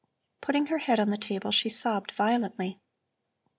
Putting her head on the table she sobbed violently.